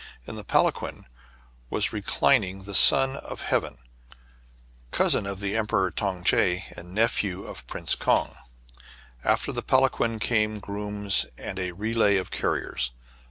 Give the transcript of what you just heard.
In the palanquin was reclining the Son of Heaven, cousin of the Emperor Tong Tche and nephew of Prince Kong. After the palanquin came grooms and a relay of carriers.